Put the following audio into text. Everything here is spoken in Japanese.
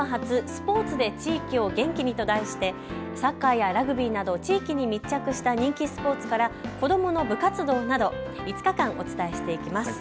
スポーツで地域を元気にと題してサッカーやラグビーなど地域に密着した人気スポーツから子どもの部活動など５日間、お伝えしていきます。